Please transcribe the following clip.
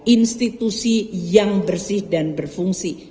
institusi yang bersih dan berfungsi